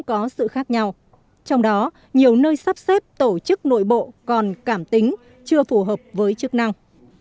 có sự khác nhau trong đó nhiều nơi sắp xếp tổ chức nội bộ còn cảm tính chưa phù hợp với chức năng